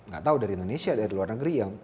gak tahu dari indonesia atau dari luar negeri